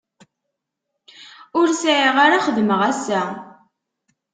Ur sεiɣ ara xedmeɣ assa.